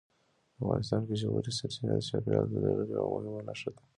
افغانستان کې ژورې سرچینې د چاپېریال د تغیر یوه مهمه نښه ده.